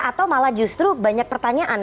atau malah justru banyak pertanyaan